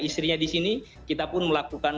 istrinya di sini kita pun melakukan